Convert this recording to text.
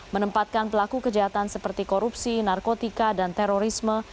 menempatkan pelaku kejahatan seperti korupsi narkotika dan terorisme